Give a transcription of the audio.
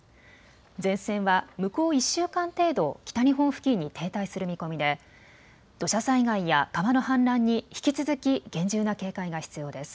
前線は向こう１週間程度北日本付近に停滞する見込みで土砂災害や川の氾濫に引き続き厳重な警戒が必要です。